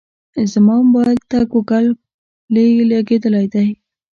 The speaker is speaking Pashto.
زما موبایل ته ګوګل پلی لګېدلی دی.